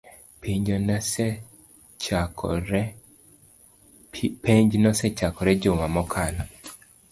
Penj nosechakore juma mokalo